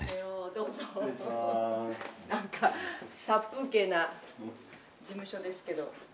なんか殺風景な事務所ですけど。